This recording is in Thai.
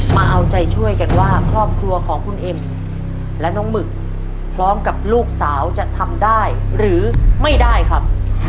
มาเอาใจช่วยกันว่าครอบครัวของคุณเอ็มและน้องหมึกพร้อมกับลูกสาวจะทำได้หรือไม่ได้ครับ